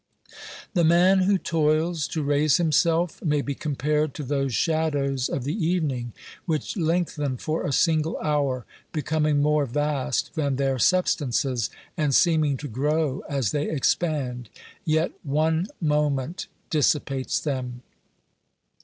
The man who toils to raise himself may be compared to those shadows of the evening which lengthen for a single hour, becoming more vast than their substances, and seeming to grow as they expand ; yet one moment dissipates them.